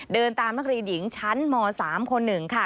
เดินตามนักเรียนหญิงชั้นม๓คนหนึ่งค่ะ